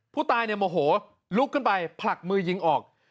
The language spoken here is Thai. ผู้ตายเนี่ยโมโหลุกขึ้นไปผลักมือยิงออก